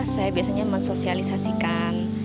saya biasanya mensosialisasikan